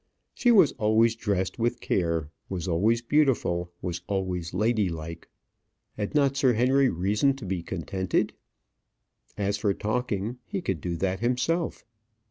She was always dressed with care, was always beautiful, was always ladylike. Had not Sir Henry reason to be contented? As for talking, he could do that himself.